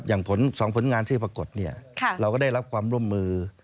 อย่าง๒ผลงานที่ปรากฏเราก็ได้รับความร่วมมือ